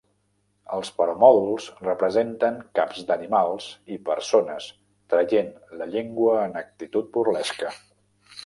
Els permòdols representen caps d'animals i persones traient la llengua en actitud burlesca.